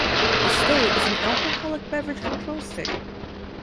The state is an alcoholic beverage control state.